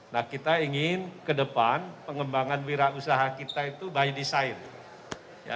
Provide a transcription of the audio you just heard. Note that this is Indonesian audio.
nah kita ingin ke depan pengembangan wira usaha kita itu by design